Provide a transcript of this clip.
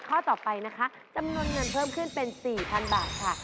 ข้อต่อไปนะคะจำนวนเงินเพิ่มขึ้นเป็น๔๐๐๐บาทค่ะ